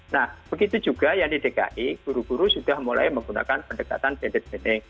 nah begitu juga yang di dki guru guru sudah mulai menggunakan pendekatan pendek